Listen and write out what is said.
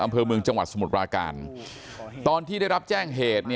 อำเภอเมืองจังหวัดสมุทรปราการตอนที่ได้รับแจ้งเหตุ